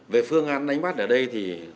về phương án đánh bắt ở đây thì